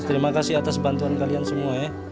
terima kasih atas bantuan kalian semua ya